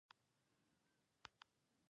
اتم د دوی سپی و.